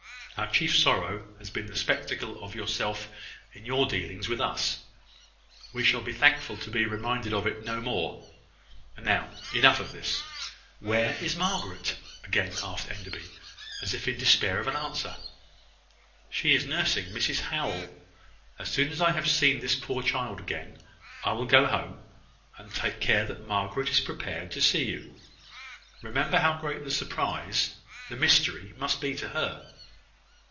Our chief sorrow has been the spectacle of yourself in your dealings with us. We shall be thankful to be reminded of it no more. And now enough of this." "Where is Margaret?" again asked Enderby, as if in despair of an answer. "She is nursing Mrs Howell. As soon as I have seen this poor child again, I will go home, and take care that Margaret is prepared to see you. Remember how great the surprise, the mystery, must be to her."